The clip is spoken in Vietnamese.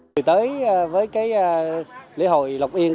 từ tới với cái lễ hội lộc yên